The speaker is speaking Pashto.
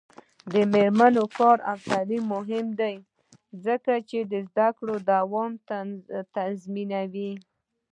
د میرمنو کار او تعلیم مهم دی ځکه چې زدکړو دوام تضمینوي.